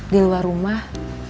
di luar rumah